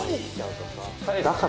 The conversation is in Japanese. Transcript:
「だから」